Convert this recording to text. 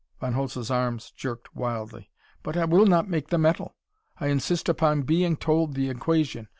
Von Holtz's arms jerked wildly. "But I will not make the metal! I insist upon being told the equation!